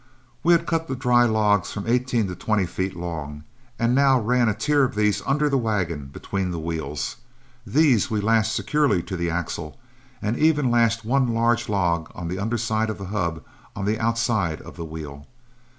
We had cut the dry logs from eighteen to twenty feet long, and now ran a tier of these under the wagon between the wheels. These we lashed securely to the axle, and even lashed one large log on the underside of the hub on the outside of the wheel.